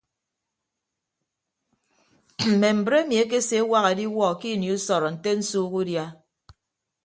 Mme mbre emi ekeseewak ediwuọ ke ini usọrọ nte nsuuk udia.